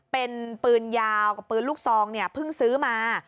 เป็นปืนยาวกับปืนลูกซองเนี่ยเพิ่งซื้อมา